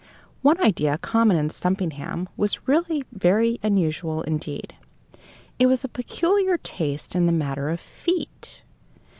One idea common in Stumpinghame was really very unusual indeed. It was a peculiar taste in the matter of feet.